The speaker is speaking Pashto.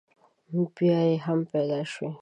بیا یم پیدا شوی.